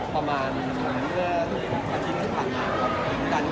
เพราะว่าเราก็ไม่ได้เอาเราคนเดียว